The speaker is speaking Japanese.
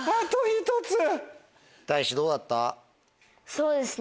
そうですね。